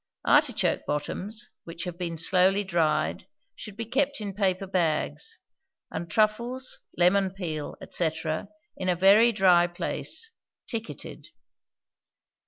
Artichoke bottoms, which have been slowly dried, should be kept in paper bags, and truffles, lemon peel, &c., in a very dry place, ticketed.